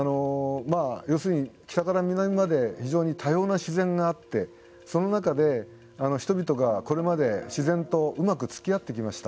要するに北から南まで非常に多様な自然があってその中で、人々がこれまで自然とうまくつきあってきました。